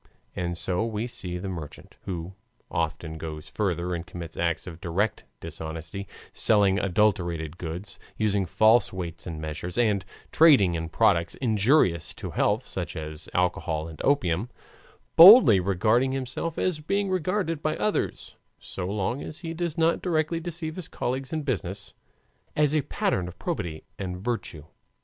And so we see the merchant (who often goes further and commits acts of direct dishonesty, selling adulterated goods, using false weights and measures, and trading in products injurious to health, such as alcohol and opium) boldly regarding himself and being regarded by others, so long as he does not directly deceive his colleagues in business, as a pattern of probity and virtue.